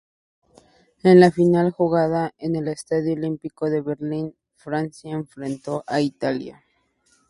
En la final, jugada en el Estadio Olímpico de Berlín, Francia enfrentó a Italia.